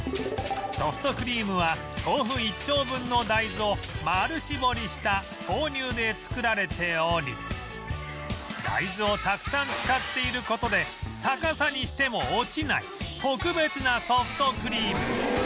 ソフトクリームは豆腐１丁分の大豆を丸絞りした豆乳で作られており大豆をたくさん使っている事で逆さにしても落ちない特別なソフトクリーム